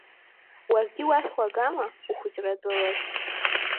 Уаргьы уахь уагама, ухәыҷра атәылахь?